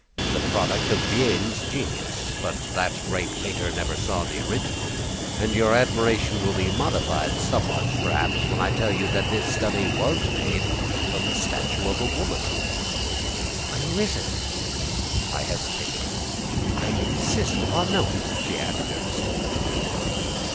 "It is a product of Vien's genius. But that great painter never saw the original, and your admiration will be modified somewhat perhaps, when I tell you that this study was made from a statue of a woman." "But who is it?" I hesitated. "I insist upon knowing," she added earnestly.